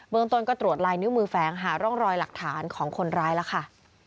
เมืองต้นก็ตรวจลายนิ้วมือแฝงหาร่องรอยหลักฐานของคนร้ายแล้วค่ะ